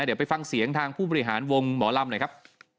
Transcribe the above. เดี๋ยวไปฟังเสียงทางผู้บริหารวงหมอลำหน่อยครับ